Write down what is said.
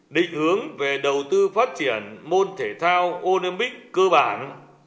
định hướng về đầu tư phát triển môn thể thao olympic cơ bản